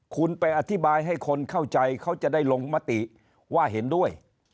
คุณไปอธิบายให้คนเข้าใจเขาจะได้ลงมติว่าเห็นด้วย